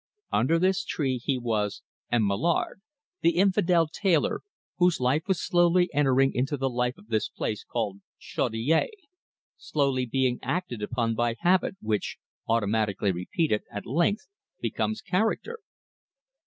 Under this tree he was M. Mallard, the infidel tailor, whose life was slowly entering into the life of this place called Chaudiere, slowly being acted upon by habit, which, automatically repeated, at length becomes character.